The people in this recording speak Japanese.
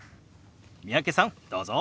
三宅さんどうぞ！